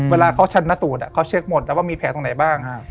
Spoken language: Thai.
เวลาเขาชันนสูตรเขาเช็คหมดแล้วว่ามีแผลตรงไหนบ้าง